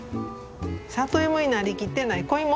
里芋になりきってない子芋。